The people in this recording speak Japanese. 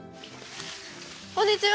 こんにちは。